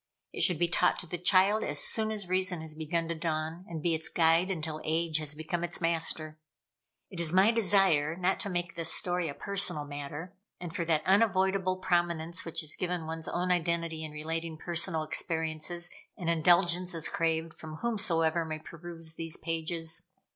It should be taught to the child as soon as reason has begun to dawn, and be its guide until age has become its master. It is my desire not to make this story a personal matter; and for that unavoidable prominence which is given one's own identity in relating personal experiences, an indulgence is craved from whomsoever may peruse these pages.